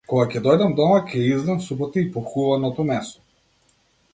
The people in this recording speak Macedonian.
Кога ќе дојдам дома, ќе ја изедам супата и похувано- то месо.